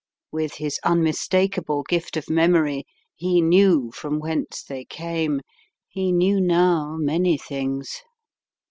With his un mistakable gift of memory, he knew from whence they came, he knew now many things.